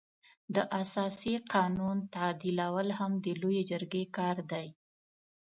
د اساسي قانون تعدیلول هم د لويې جرګې کار دی.